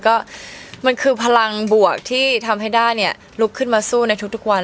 ก็มันคือพลังบวกที่ทำให้ด้าเนี่ยลุกขึ้นมาสู้ในทุกวัน